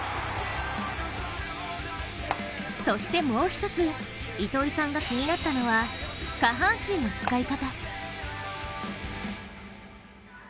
そしてもう一つ、糸井さんが気になったのは下半身の使い方。